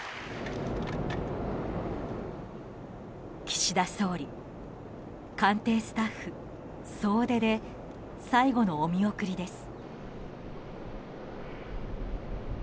岸田総理、官邸スタッフ総出で最後のお見送りです。